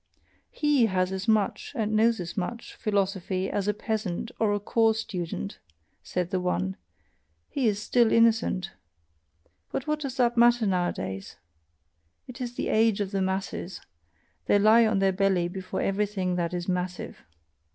"HE has as much, and knows as much, philosophy as a peasant or a corps student," said the one "he is still innocent. But what does that matter nowadays! It is the age of the masses: they lie on their belly before everything that is massive.